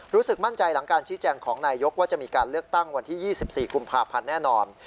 รู้สึกมั่นใจหลังการชี้แจงของนายยกว่าจะมีการเลือกตั้งวันที่๒๔กุมภาพันธ์แน่นอน